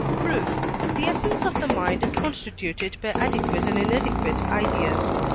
Proof. The essence of the mind is constituted by adequate and inadequate ideas (III.